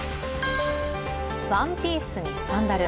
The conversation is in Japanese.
ワンピースにサンダル。